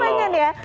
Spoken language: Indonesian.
oh ingin ya